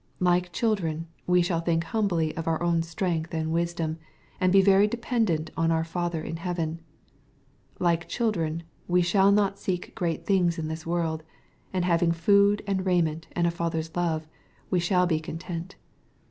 Like children, we shall think humbly of our own strength and wisdom, and be very dependent on our Father in heaven. Like children, we shall not seek great things in this world ; and having food and raiment and a Father's love, we shall be con tent.